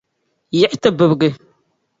yiɣi ti bibigi.